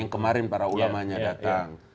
yang kemarin para ulamanya datang